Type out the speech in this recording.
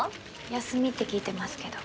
休みって聞いてますけど。